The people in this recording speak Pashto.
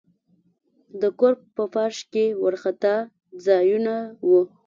د کور په فرش کې وارخطا ځایونه وو.